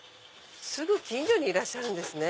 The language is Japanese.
すぐ近所にいらっしゃるんですね。